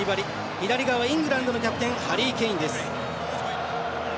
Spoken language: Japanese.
左側、イングランドのキャプテンハリー・ケインです。